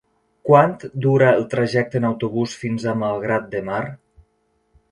Quant dura el trajecte en autobús fins a Malgrat de Mar?